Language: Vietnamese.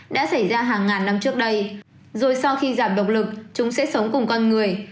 đã xảy ra hàng ngàn năm trước đây rồi sau khi giảm động lực chúng sẽ sống cùng con người